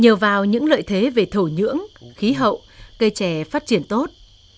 nhờ vào những lợi thế về thổ nhưỡng khí hậu cây chè phát triển tốt